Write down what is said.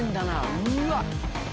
うわっ！